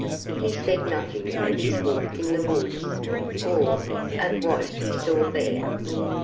He said nothing of his walk in the woods or of what he saw there.